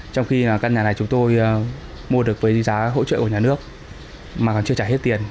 trong khi căn nhà này chúng tôi mua được với giá hỗ trợ của nhà nước mà còn chưa trả hết tiền